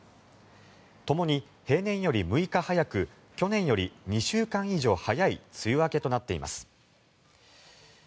ともに平年より６日早く去年より２週間以上早い梅雨明けとなっています。